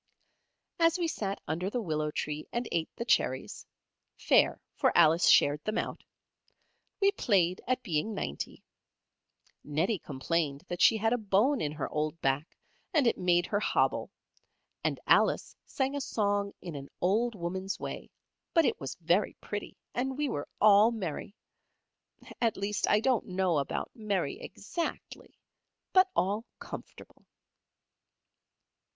As we sat under the willow tree and ate the cherries (fair, for Alice shared them out), we played at being ninety. Nettie complained that she had a bone in her old back and it made her hobble, and Alice sang a song in an old woman's way, but it was very pretty, and we were all merry. At least I don't know about merry exactly, but all comfortable.